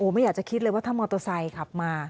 ไม่อยากจะคิดเลยว่าถ้ามอเตอร์ไซค์ขับมา